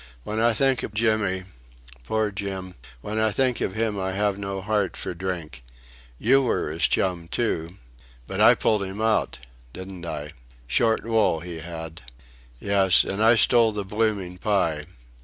"When I think of Jimmy... Poor Jim! When I think of him I have no heart for drink. You were his chum, too... but I pulled him out... didn't I? Short wool he had.... Yes. And I stole the blooming pie....